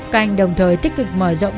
cành đồng thời tích cực mở rộng